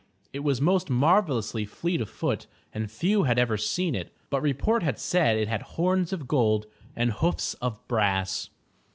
It was most marvelously fleet of foot and few had ever seen it. But report had said it had horns of gold, and hoofs of brass.